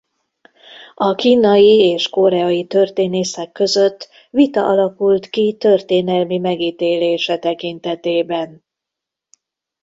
A kínai és koreai történészek között vita alakult ki történelmi megítélése tekintetében.